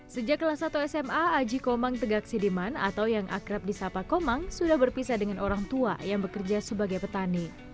sejak kelas satu sma aji komang tegak sidiman atau yang akrab di sapa komang sudah berpisah dengan orang tua yang bekerja sebagai petani